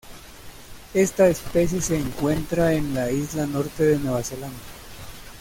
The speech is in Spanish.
Esta especie se encuentra en la isla Norte de Nueva Zelanda.